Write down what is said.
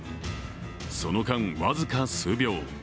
その間、僅か数秒。